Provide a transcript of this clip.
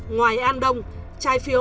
ngoài an đông trái phiếu